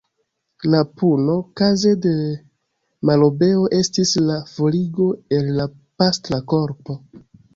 La puno, kaze de malobeo, estis la forigo el la pastra korpo.